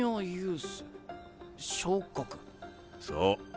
そう。